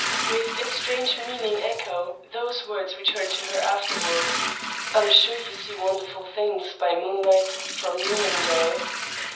With a strange meaning echo, those words returned to her afterwards 'I'm sure you see wonderful things, by moonlight, from your window.'